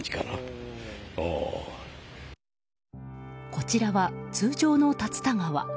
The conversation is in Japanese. こちらは通常の竜田川。